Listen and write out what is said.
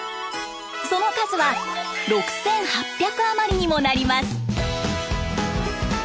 その数は６，８００余りにもなります。